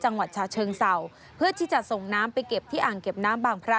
จังหวัดชาเชิงเศร้าเพื่อที่จะส่งน้ำไปเก็บที่อ่างเก็บน้ำบางพระ